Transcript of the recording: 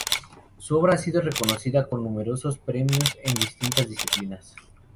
Su obra ha sido reconocida con numerosos premios en distintas disciplinas.